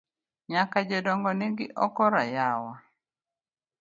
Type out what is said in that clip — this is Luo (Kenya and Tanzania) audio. Nyaka jodogo nigi okora yawa.